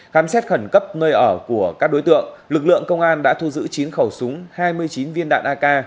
khám xét khẩn cấp nơi ở của các đối tượng lực lượng công an đã thu giữ chín khẩu súng hai mươi chín viên đạn ak